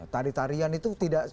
tari tarian itu tidak